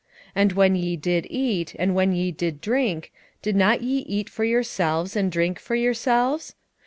7:6 And when ye did eat, and when ye did drink, did not ye eat for yourselves, and drink for yourselves?